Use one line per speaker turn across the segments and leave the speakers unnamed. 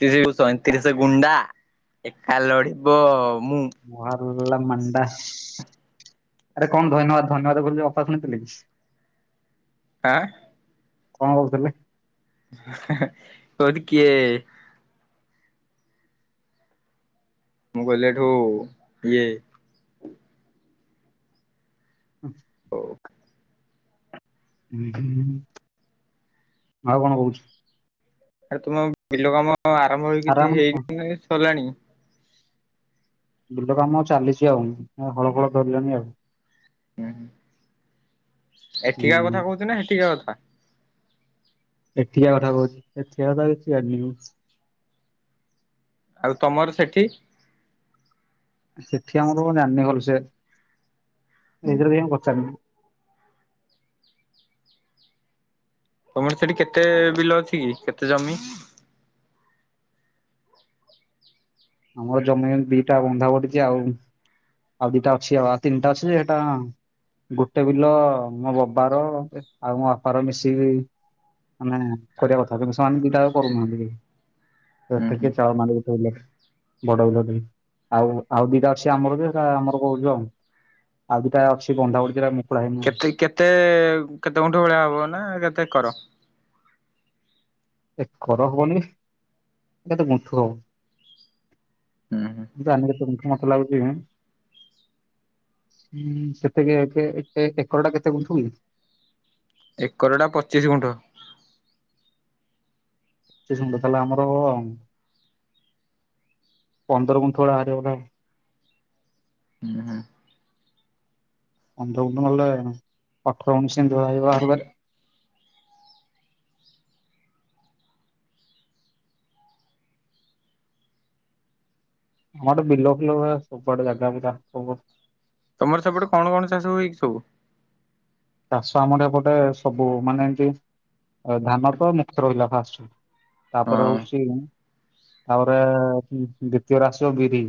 ତିରିଶକୁ ସଇଁତିରିଶିଟା ଗୁଣ୍ଡା ଏକା ଲଢିବ ମୁଁ।
ମାହାରୁଲା ମାଣ୍ଡା। ଆରେ କଁ ଧଇନ୍ୟବାଦ ଧନ୍ୟବାଦ କୋଉଥୁଲୁ ସେ ଅପା ଶୁଣିଥିଲେକି?
ଆଁ?
କଣ କହୁଥିଲେ?
କୋଉଠି କିଏ? ମୁଁ କଇଲି ଏଠୁ ଇଏ।
ହୁଁ।
ହୋଉ।
ଆଉ କଣ କୋହୁଛୁ?
ଆରେ ତୁମ ବିଲ କାମ ଆରମ୍ଭ ହୋଇ
ଆରେ
କିଛି
ଆମର
ହେଇଚିନାବେ ସରିଲାଣି?
ବିଲ କାମ ଚାଲିଛି ଆଉ ହଁ ହଳ ଫଳ ସରିଲାଣି ଆଉ।
ଉଁ ହୁଁ।
ହୁଁ
ଏଠିକା କଥା କୋଉଚୂନା ସେଠିକା କଥା?
ଏଠିକା କଥା କୋହୁଛି ହେଠିଆ କଥା କିଛି ଜାଣିନି ମୁଁ।
ଆଉ ତମର ସେଠି?
ଆ ସେଠି ଆମର କଁ ଜାଣିନି ଭଳ ସେ ଏବିଷୟରେ କିଛି ମୁଁ ପଚାରିନି।
ତମର ସେଠି କେତେ ବିଲ ଅଛି କି କେତେ ଜମି?
ଆମର ଜମି ଦିଟା ବନ୍ଧା ପଡିଛି ଆଉ ଆଉ ଦିଟା ଅଛି ଆଉ ଆଉ ତିନ୍ଟା ଅଛି ହେଟା ଗୋଟେ ବିଲ ମୋ ବବା ର ଏ ଆଉ ମୋ ବାପାର ମିଶିକି। ମାନେ କରିବା କଥା କିନ୍ତୁ ସେମାନେ ଦିଟାଆକ
ହୁଁ
କରୁନାହାନ୍ତି
ହୁଁ
କିଛି [inaudible] ବଡ ବିଲ ଟେଇ ଆଉ ଆଉ ଦିଟା ଅଛି ଆମର ଯେ ଆମର କରୁଚୁ ଆଉ। ଆଉ ଦିଟା ଅଛି ବନ୍ଧା ପଡି ଥିଲା ମୁକୁଳା ହେଇନି। ଆଉ।
ଏଇ କେତେ କେତେ ଗୁଣ୍ଠୁ ଭଳିଆ ହବ ନା କେତେ ଏକର?
ଏକର ହବନି କେତେ ଗୁଣ୍ଠୁ ହବ।
ହୁଁ ହୁଁ
ମୁଁ ଜାଣିନେଇଁ କେତେ ଗୁଣ୍ଠୁ ମତେ ଲାଗୁଚି। ହୁଁ ସେତିକି ଏକେ ଏ ଆକରଟା କେତେ ଗୁଣ୍ଠୁ କି?
ଏକରଟା ପଚିଶି ଗୁଣ୍ଠୁ।
ଶେଷ ମୁଣ୍ଡ ତାହେଲେ ଆମର ଆଉ ପନ୍ଦର ଗୁଣ୍ଠୁ ଭଳିଆ ବାହାରିବ ବୋଧେ ଆଉ।
ହୁଁ ହୁଁ।
ପନ୍ଦର ଗୁଣ୍ଠୁ ନଲେ ଅଠର ଗୁଣ୍ଠୁ ସେମିତି ବାହାରିବ ଆରେବାରେ। ଆମର ବିଲ ଫିଲ ଗୁରା ସବୁଆଡେ ଜାଗା ଗୁରା ସବୁ।
ତମର ସେପଟେ କଣ କଣ ଚାଷ ହୁଏ କି ସବୁ?
ଚାଷ ଆମର ଏପଟେ ସବୁ ମାନେ ଏମିତି ଧାନ ତ ମୁଖ୍ୟ ରହିଲା ଫାଷ୍ଟ।
ହଁ
ତାପରେ ହୋଉଚି ତାପରେ ଦ୍ଵିତୀୟ ରେ ଆସିବ ବିରି।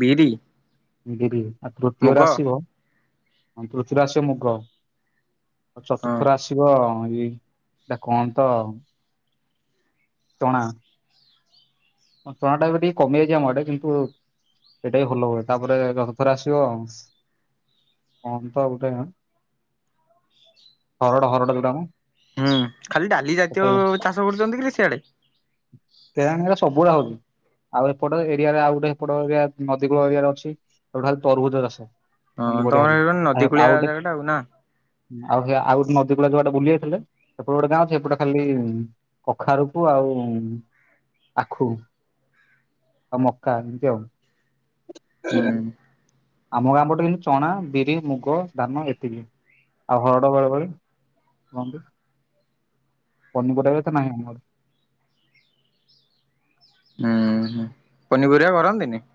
ବିରି
ବିରି ଆଉ
ମୁଗ
ତୃତୀୟରେ ଆସିବ। ହଁ ତୃତୀୟରେ ଆସିବ ମୁଗ ଆଉ
ହଁ।
ଚତୁର୍ଥରେ ଆସିବ ଏଇ ସେଟା କଣ ତ ତଣା। କଁ ଚଣା ଟା ଏବେ ଟିକେ କମିଯାଇଚି ଆମ ଆଡ଼େ, କିନ୍ତୁ-ଉ ଏଇଟା ବି ଭଲ ହୁଏ। ତା'ପରେ ଗ୍ରହଥରେ ଆସିବ-ଅଁ। କଣ ତ ଗୁଟେଁ? ହରଡ ହରଡ ଯୋଉଟା ମଁ।
ହୁଁ, ଖାଲି ଡାଲି ଜାତୀୟ ଚାଷ କରୁଚନ୍ତି କିରେ ସିଆଡେ?
କେଆଣି? ଏରା ସବୁଏଳେ ହଉଚି। ଆଉ ଏପଟ ଏରିଆରେ ଆଉ ଗୁଟେ ଏପଟ ଏରିଆ ନଦୀ କୂଳ ଏରିଆରେ ଅଛି। [unintelligible] ତରୁଭୁଜ ଚାଷ।
ହଁ,
ପନିପରିବା
ତମର
ଖାଲି
ହେଇ [unintelligible]
ଆଉ
ନଦୀ
ଆଉ
କୂଳିଆ
ଗୋଟେ
ଜାଗା ଟା ଆଉ ନା?
ଆଉ ସେ ଆଉ ଗୋଟ୍ ନଦୀ କୂଳିଆ ଯୋଉଆଡେ ବୁଲି ଯାଇଥିଲେ। ସେପଟେ ଗୋଟେ ଗାଁ ଅଛି। ହେପଟେ ଖାଲି-ଇଁ କଖାରୁ କୁ ଆଉଁ-ଉଁ ଆଖୁ, ଆଉ ମକା, ଏମିତି ଆଉ। [inaudible]
[inaudible]
ଆମ ଗାଁ ପଟେ କିନ୍ତୁ ଚଣା, ବିରି, ମୁଗ, ଧାନ ଏତିକି। ଆଉ ହରଡ ବେଳେବେଳେ କନ୍ତି। ପନିପରିବା ବି ଏତେ ନାହିଁ ଆମର।
ହୁଁ, ହୁଁ, ପନିପରିବା କରନ୍ତିନି?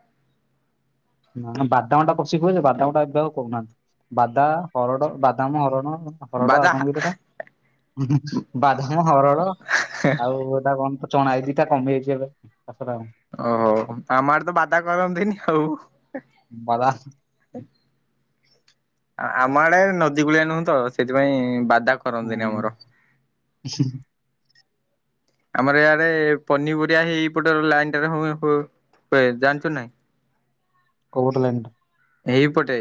ନା ବାଦାମ ଟା ପଶି ହୁଏ ଯେ, ବାଦାମ ଟା ଏବେ ଆଉ କରୁନାହାଁନ୍ତି। ବାଦା ହରଡ଼, ବାଦାମ ହରଡ଼ଁ ହରଡ
ବାଦା
ଆଉ କଣ କିରେ ଏଟା? [unintelligible] ବାଦାମ ହରଡ଼। ଆଉ ଏଟା କଣ ତ ଚଣା? ଏଇ ଦିଟା ତା କମି ଯାଇଛି ଏବେ। ଚାଷଟା ଆଉଁ।
ଓହୋ, ଆମ ଆଡ଼େ ତ ବାଦା କରନ୍ତିନି ଆଉ।
ବାଦାହ୍
ଆମ ଆଡେ ନଦୀ କୂଳିଆ ନୁହୁଁ ତ, ସେଥିପାଇଁ ବାଦା କରନ୍ତିନି
ହୁଁ,
ଆମର।
[unintelligible]
ଆମର ୟାଡ଼େ ପନିପରିବା ହେଇ ଏଇପଟ ଲାଇନ୍ ଟାରେ ହୁଁ -ହୁ-ହୁଏ ଜାଣିଚୁ ନାହିଁ!
କୋଉପଟ ଲାଇନ୍ ଟା?
ଏହିପଟେ।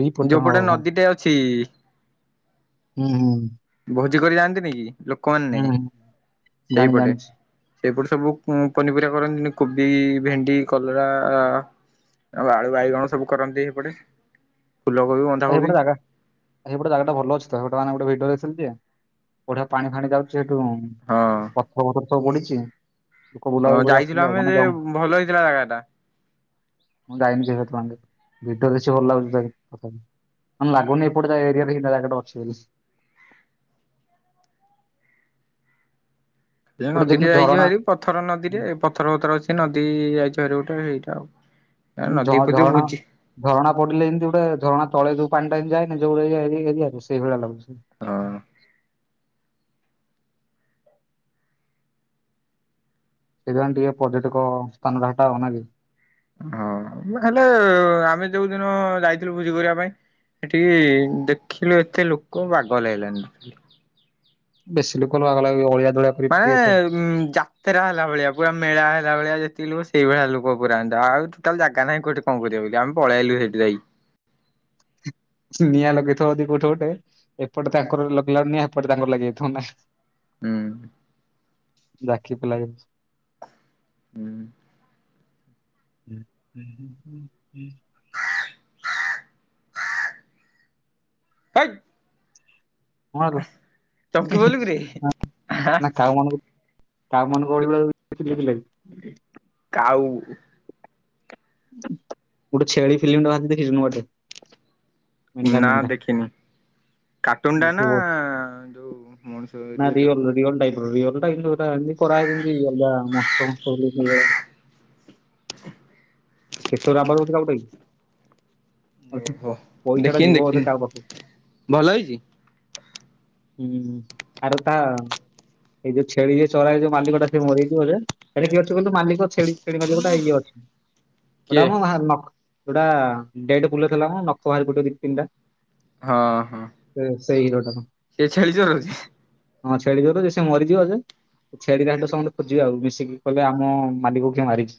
ଏଇପଟ ହଁ
ଯୋଉପଟେ
ହଁ
ନଦୀଟେ ଅଛି-ଇ।
ହୁଁ, ହୁଁ।
ଭୋଜି କରି ଯାଆନ୍ତିନି କି
ହୁଁ
ଲୋକମାନେ!
ହୁଁ। ଜାଣି
ସେଇପଟେ।
ଜାଣିଛି।
ସେଇପଟେ ସବୁ ପ-ପନିପରିବା କରନ୍ତିନି। କୁବି, ଭେଣ୍ଡି, କଲରା-ଆ ଆଉ ଆଳୁ, ବାଇଗଣ ସବୁ କରନ୍ତି ହେପଟେ। ଫୁଲ କୋବି ବନ୍
ଆ ହେଇପଟେ ଜାଗା, ହେଇପଟେ ଜାଗାଟା ଭଲ ଅଛି ତ, ହେପଟେ ମାନେ ଗୋଟେ ଭିଡିଓରେ [unintelligible] ବଢିଆ ପାଣି ଫାଣି ଯାଉ ସେଠୁଁ
ହଁ
ପଥର ଫଥର ସବୁ ପଡ଼ିଚି। ଲୁକ
ହଁ
ବୁଲାବୁଲି କରି
ଯାଇଥିଲୁ
ଆସିସନ୍ତି ଆଉ।
ଆମେ
ମାନେ
ଯେ
ଯଉଁ
ଭଲ ହେଇଥିଲା ଜାଗା ଟା
ମୁଁ ଯାଇନି [unintelligible] ଭିଡିଓ ରେ ଅଛି। [unintelligible] ମାନେ ଲାଗୁନି, ଏପଟ ଯା ଏରିଆରେ ଇନ୍ତିଆ ଜାଗା ଟେ ଅଛି ବୋଲି।
ସେ
ଗୋଟେ
ନଦୀଟେ
ଦେଖୁନୁ
ଯାଇଛି
ଝରଣା
ଭାରି, ପଥର ନଦୀରେ ପଥର ପଥର ଅଛି ନଦୀ-ଈ ଯାଇଛି ଭାରି ଗୁଟେ, ହେଇଟା ଆଉ। ନଦୀ ଫଦୀ
ଝ-ଝରଣା
ଭୋଜି
ଝରଣା ପଡିଲେ ଏମିତି ଗୁଟେ ଝରଣା ତଳେ ଯୋଉ ପାଣି ଟା ଯାଏନି ଯୋଉ ଇଏ ଏରିଆରେ ସେଇଭଳିଆ ଲାଗୁଛି।
ହଁ।
ସେଇଥି ପାଇଁ ଟିକେ ପର୍ଯ୍ୟଟକ-ଅ ସ୍ଥାନଟା ହେଟା ଆଉ ନା କି?
ହ-ଅ। ମୁଁ ହେଲେ-ଏ ଆମେ ଯୋଉ ଦିନ ଯାଇଥିଲୁ ଭୁଜି କରିଆ ପାଇଁ! ହେଠି-ଇ ଦେଖିଲୁ ଏତେ ଲୁକ ବାଗ ଲାଗିଲାନି।
ବେଶୀ ଲୋକ ଲଗା ଅଳିଆ ଜଳିଆ
ମାନେ ଜା [inaudible] ଯାତ୍ରା ହେଲା ଭଳିଆ ପୁରା ମେଳା ହେଲା ଭଳିଆ ଯେତିକି ଲୋକ ସେଇ ଭଳିଆ ଲୋକ ପୁରା ଆନ୍ ଆଉ ଟୋଟାଲ ଜାଗା ନାହିଁ କୋଠି କଣ କରିବା ବୋଲି ଆମେ ପଳେଇ ଆଇଲୁ ସେଠି ଯାଇ।
ନିଆଁ ଲଗେଇଥିବ ଯଦି କୋଉଠି ଗୋଟେ ଏପଟେ ତାଙ୍କର ଲଗେଇଲାରୁ ନିଆଁ ଏପଟେ ତାଙ୍କର ଲାଗିଯାଇ ଥିବ ନା
ହୁଁ।
ରାକ୍ଷୀ ପିଲା [inaudible]
ହୁଁ।
ହୁଁ ହୁଁ ହୁଁ ହୁଁ ହୁଁ। [inaudible]
ହେ କ।
ହର
ଚମକି ପଇଲୁ କିରେ
[inaudible] କାଉ ମାନଙ୍କୁ କାଉ ମାନଙ୍କୁ ଅଳେଇଲା ଦେଖି ଦେଇଥିଲା କି?
କାଉ ଉ ଉ।
ଗୋଟେ ଛେଳି ଫିଲ୍ମ ଟା ବାହାରିଛି ଦେଖୀଛୁ ନୂଆଟେ।
ନା ଦେଖିନି। କାର୍ଟୁନ୍ ଟା ନା
ଦେଖିବୁ
ଯୋଉ ମଣିଷ ରିଏଲ?
ରିଆଲ ଟାଇପ୍ ର ରିଅଲ ଟା କିନ୍ତୁ ଏଟା କରାହେଇଛି। [inaudible] କେତେ ରାବ [unintelligible] [inaudible]
ଓହୋ
ପଇସା ଟା
ଦେଖିନି
ଯିବ ବୋଧେ କାଉ ପାଖକୁ
ଦେଖିନି ଭଲ ହେଇଛି?
ହୁଁ ହୁଁ ଆର ତା ଏଇ ଯୋଉ ଛେଳି ଯ ଚରାଇ ଯୋଉ ମାଲିକ ଟା ସେ ମରିଯାଇଛି। ବୋଧେ ହେଟ କିଏ ଅଛି କହିଲୁ ମାଲିକ ଛେଳି ଛେଳି ମାଲିକଟା ଇଏ ଅଛି। ଗୋଟା
କିଏ
ମୁଁ ବା ନକ୍ ଯୋଟା ଡେଟ୍ ବୁଲେଇଦେଲା ଖୁଣୁ ନଖ ବାହାରିପଡିବ ଦି ତିନିଟା।
ହଁ ହଁ।
ସେ ସେଇ ହିରୋଟାର।
ସେ ଛେଳିଚରଉଛି।
ହଁ ଛେଳିଚରଉଛି ସେ ମରିଯିବ ଯେ। ଛେଳିଟାକୁ ସମସ୍ତେ ଖୋଜିବେ ଆଉ ମିଶିକି କହିବେ ଆମ ମାଲିକକୁ କିଏ ମାରିଛି।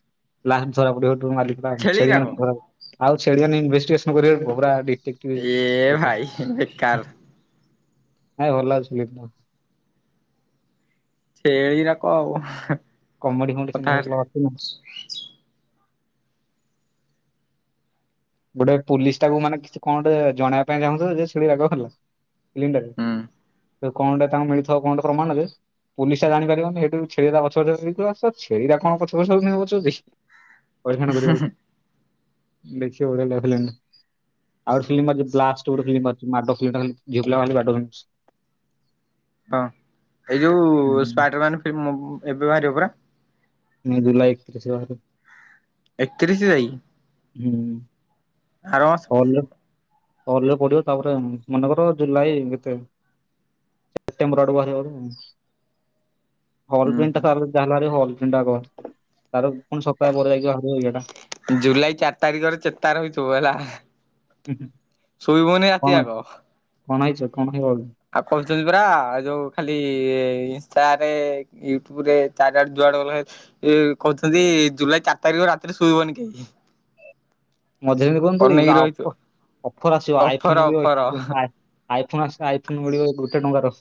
ପ୍ଲାନ୍ ଧରାପଡ଼ିବ ସେଠୁ ମାଲିକ୍ ବା
ଛେଳି ରାକ
ଛେଳିମାନଙ୍କୁ ଧରା ପ ଆଉ ଛେଳିମାନେ ଇନଭେଷ୍ଟିକେଶନ୍ କରିବେ ରେ ପୁଅ ପୁରା ଡି
ଏ ଏ ଏ ଭାଇ ବେକାର।
ନାଇଁ ଭଲ ଅଛି। [inaudible]
ସେ ଏଆଇ ର କଣ ହବ।
କମେଡି କମେଡି ସିନା ଭଲ ଆସୁନି। ଗୋଟେ ପୋଲିସ ଟାକୁ ମାନେ କିଛି କଣ ଗୋଟେ ଜଣେଇବା ପାଇଁ ଚାହୁଁଥିଲା ଯେ [inaudible] ଲିଙ୍କ୍ ଟା ଦିଅ
ହୁଁ
ତାଙ୍କୁ କଣଟା ତାଙ୍କୁ ମିଳିଥିବ କଣ ଗୋଟେ ପ୍ରମାଣରେ ପୋଲିସାର ଆଣିପାରିବନି ଇଠୁ ଛେଳି ତା ପଛେ ଆସି କହିବେ ସାର୍ ଛେଳିଗୁରା କଣ ପଛେ ପଛେ ଆଉଛନ୍ତି ଆମ ପଛେ ପଛେ। ପଖାନା କରଗ ଦେଖିବା ଦେଖଲ [inaudible] ଆଉ ଗୋଟେ ଫିଲ୍ମ ଅଛି ବ୍ଲାଷ୍ଟ ଗୋଟେ ଫିଲ୍ମ ଅଛି ମାଡ଼ ଫିଲ୍ମ ଟା ଖାଲି ଝିଅପିଲା ଖାଲି ବଡଉଛନ୍ତି। ମୁ ସ୍ [inaudible] [unintelligible]
ହଁ ଏଇ ଯୋଉ ଉ ସ୍ପାଇଡରମ୍ୟାନ ଫି ମୁଁ ଏବେ ବାହାରିବ ପରା।
ମେ ଜୁଲାଇ [inaudible] ବାହାରିବ।
ଏକତିରିଶ ଯାଇ
ହୁଁ
ଆର ମାସ
ହଲରେ ପ୍ ହଲରେ ପଡିବ ତାପରେ ମନେକର ଜୁଲାଇ ଭିତେ ସେପ୍ଟେବର ଆଡକୁ ବାହାରିବ ବୋଧେ ହଲ
ହୁଁ
ପ୍ରିଣ୍ଟ ତ
ହୁଁ
ଯାହା ବାହାରିବ ହଲ ା ତାର ପୁଣି ସପ୍ତାହ ପରେ ଯାଇକି ବାହାରିବ ଇଏଟା
ଜୁଲାଇ ଚାରି ତାରିଖରେ ଚେତା ରଇଥିବ ହେଲା
ହୁଁ ହୁଁ
ଶୋଇବନି ରାତି
କଣ
ଆଗ
କଣ ହେଇଛ କଣ ହେଇବ କି
ଆଉ କହୁଛନ୍ତି ପୁରା ଆଉ ଯୋଉ ଖାଲି ଇନଷ୍ଟଟରେ ୟୁଟ୍ୟୁବ ରେ ଚାରିଆଡେ ଯୁଆଡେ ଗଲେ ଏ କହୁଛନ୍ତି ଜୁଲାଇ ଚାରି ତାରିଖ ରାତିରେ ଶୋଇବନି କେହି
ମଝିରେ ଏମିତି କହୁନଥିଲେ କି
ଅନେଇକି
ଓ
ରହିଥିବ।
ପ୍ ଅଫର ଆସିବ
ଅଫର
ଆଇଫୋନ ବି
ଅଫର
[unintelligible] ଆଇ ଫୋନ୍ ଆସ ଆଇ ଫୋନ ମିଳିବ ଗୋଟେ ଟଙ୍କାର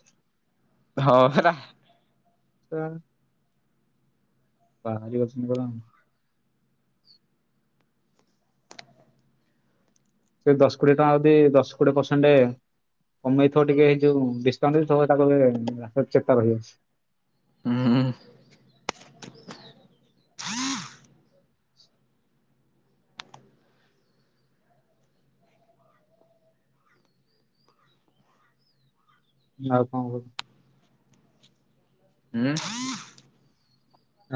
ହଁ ହେରା
ହ [unintelligible] ବାହାରି ଅଛନ୍ତି ଏ ପଯ୍ୟନ୍ତ ସେ ଦଶ କୋଡିଏ ଟଙ୍କା ଯଦି ଦଶ କୋଡିଏ ପରସେଣ୍ଟ କମେଇଥିବ ଟିକେ ଏ ଯୋଉ ଡିସକାଉଣ୍ଟଥିବ ତାକୁ [unintelligible] ଚେତା ରହିବ
ହଁ
ଆଉ କଣକଉ
ହୁଁ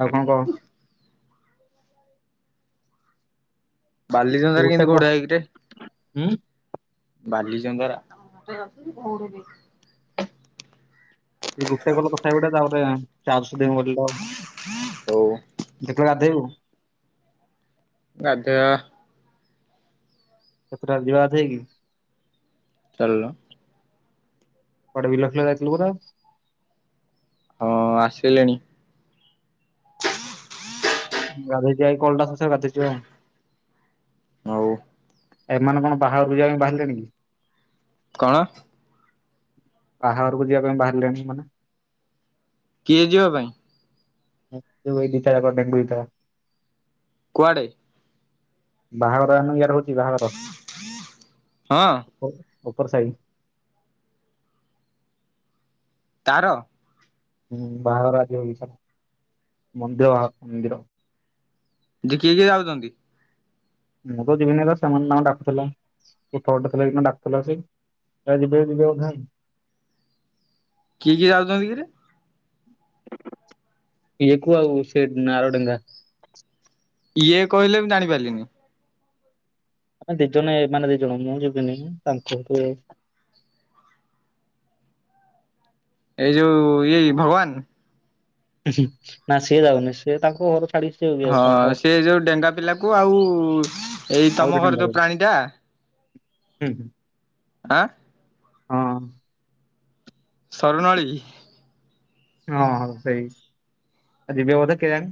ଆଉ କଣ କହ
ବାଲିନ୍ତତା
ଗୋଟେ
କେମିତି
କହ
ଘୋଡ଼ଆ ହେଇକିରେ
ହୁଁ
ବାଲିଚନ୍ଦରା [unintelligible]
ଏଇ ଗୋଟେ ଗଲ କଥା ଗୁଡା ତାପରେ ଚାରଶ ଦିନ ବିଲ
ହଉ
ଯେତବେ ଗାଧେଇବୁ
ଆଦ [unintelligible]
କେତେଟା ବେଳେ ଯିବା କଥାଇକି
ଚାଲୁନ
କୁଆଡେ ବିଲଖିଲ ଯାଇଥିଲୁ ବୋଧେ
ହଁ ଆସିଲେଣି
ଗାଧେଇକି ଆଇ କଲଟା ଶେଷ ଗାଧୋଇଛି ଆଉ
ହଉ
ଏମାନେ କଣ ବାହାରୁ ଯିବା ପାଇଁ ବାହାରିଲେଣି କି
କଣ
ବାହାହାରକୁ ଯିବା ପାଇଁ ବାହାରିଲେଣି ମାନେ
କିଏ ଯିବା ପାଇଁ
ଇ ଦି କଣ [unintelligible]
କୁଆଡ଼େ?
ବାହାଘର ଜାଣିନେଉକି ଇଆର ହଉଛି ବାହାଘର
ହଁ
ଉପ ଉପର ସାଇ
ତାର
ହୁଁ ବାହାଘର ଆଜି ବଗିସାର ମନ୍ଦୀର ବାହା ମନ୍ଦିର
ଯେ କିଏ କିଏ ଯାଉଛନ୍ତି
ମୁଁ ତ ଯିବିନି ସେମାନେ ତାଙ୍କର ଡାକୁଥିଲା ଏରଟେ ଥିଲା ଡାକୁଥିଲା ସେ ଯିବ ଯିବଧାନ
କିଏ କିଏ ଯାଉଛନ୍ତି କିରେ
ଏକୁ ଆଉ ସେନାରଡେଙ୍ଗା
ଇଏ କହିଲେ ମୁ ଜାଣିପାରିଲିନି।
ଦି ଜଣ ମାନେ ଦି ଜଣ ମୁଁ ଯବିନି ତାଙ୍କ
ଏଇ ଯେଉ ଏଇ ଭଗବାନ
ନା ସିଏ ଯାଉନି ସେ ତାଙ୍କ ଘର ଛାଡି ସିଏ ଇଏ
ହଁ
ତାଙ୍କ
ସେ ଯୋଉ ଡେଙ୍ଗା ପିଲାକୁ ଆଉ ଏଇ
ଆଉ ଗୋଟେ
ତମ ଘର
ତାଙ୍କ
ଯୋଉ ପ୍ରାଣୀ ଟା
ହୁଁ ହୁଁ
ଆଁ?
ହଁ।
ସରୁନଳୀ
ହଁ ହ ସେଇ ଆସିଥିବ ବାଧେ କେଇଆଣି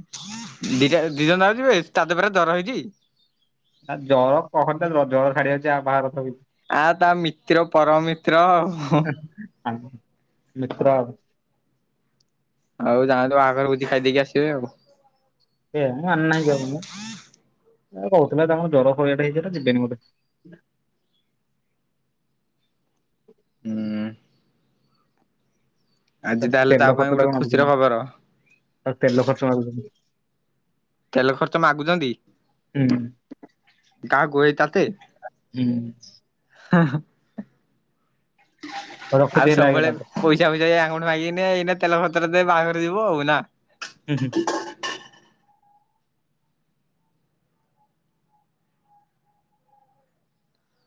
ଦିଟା ଦି ଜଣ ଯ ଯିବେ ତା ଦେହପରେ ଦଡର ହେଇଛି
ଆ ଜର କହ ଜର ଛାଡି ଯାଉଚଛି ଆଉ ବାହାର
ଆ ତା ମିତ୍ର ପରମମିତ୍ର ଆଉ
ଆ ମିତ୍ର ଆଉ
ଆଉ ଯାଆନ୍ତୁ ବାହାଘର ଭୋଜି ଖାଇଦେଇକି ଆସିବେ ଆଉ
ଏ ଆମେ ଯାଉନୁ କହୁଥିଲା ତାଙ୍କର ଜର [unintelligible] ହେଇଛି ନା ଯିବେନି ବୋଧେ
ହୁଁ।
ତା
ଆଜି ତାହେଲେ
ତେଲ
ପାଇଁ
ଖର୍ଚ୍ଚ ଟା
ଗୋଟେ ଖୁସିର
ମାଗୁଛନ୍ତି,
ଖବର
ତେଲ ଖର୍ଚ୍ଚ ମାଗୁଛନ୍ତି।
ତେଲ ଖର୍ଚ୍ଚ ମାଗୁଛନ୍ତି
ହୁଁ ହୁଁ।
ଗାହାକୁଇ ତତେ?
ହୁଁ।
ହଁ ହଁ
ହଉ ରଖୁଛି
ଆଉ
ହେଲା ଆଜ୍ଞା
ସବୁବେଳେ
ତାପରେ।
ପଇସା ଫଇସା ଅଙ୍କଠୁଁ ମାଗିକି ନିଏ ଏଇନା ତେଲ ଖର୍ଚ ଟା ଦେବେ ବାହାଘର ଯିବ ଆଉ ନା
ହୁଁ ହୁଁ।